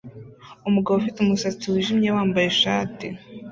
umugabo ufite umusatsi wijimye wambaye ishati